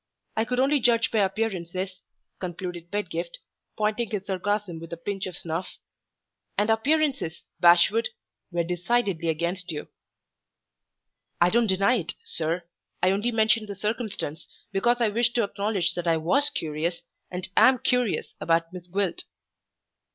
I could only judge by appearances," concluded Pedgift, pointing his sarcasm with a pinch of snuff; "and appearances, Bashwood, were decidedly against you." "I don't deny it, sir. I only mentioned the circumstance because I wished to acknowledge that I was curious, and am curious about Miss Gwilt."